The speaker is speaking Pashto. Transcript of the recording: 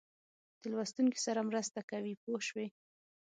د لوستونکي سره مرسته کوي پوه شوې!.